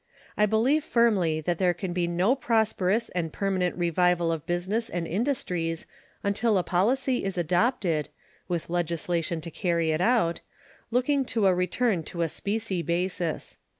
I believe firmly that there can be no prosperous and permanent revival of business and industries until a policy is adopted with legislation to carry it out looking to a return to a specie basis.